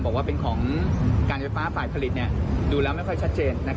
บอกว่าเป็นของการไฟฟ้าฝ่ายผลิตดูแล้วไม่ค่อยชัดเจน